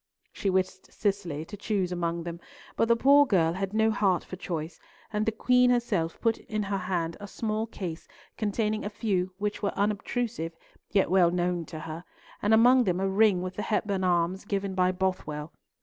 She wished Cicely to choose among them, but the poor girl had no heart for choice, and the Queen herself put in her hand a small case containing a few which were unobtrusive, yet well known to her, and among them a ring with the Hepburn arms, given by Bothwell.